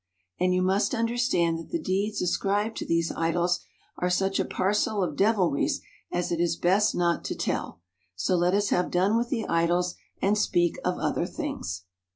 And you must understand that the deeds ascribed to these idols are such a parcel of devilries as it is best not to tell. So let us have done with the idols, and speak of other things.